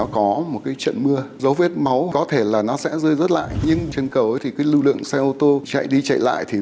của đối tượng đỗ ngọc anh